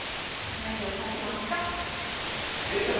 何を指しますか？